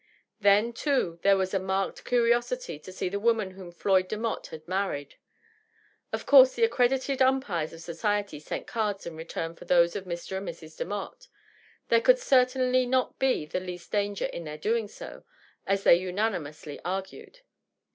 Then, too, there was a marked curi osity to see the woman whom Floyd Demotte had married. Of course the accredited umpires of society sent cards in return for those of Mr. and Mrs. Demotte. There could certainly not be the least danger in their doing so— as they unanimously argued.